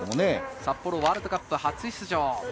札幌ワールドカップ初出場。